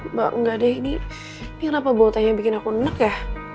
mbak nggak deh ini kenapa bau tanya bikin aku nenek ya